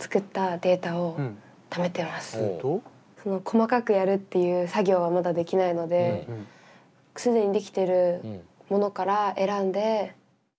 細かくやるっていう作業はまだできないので既に出来てるものから選んで。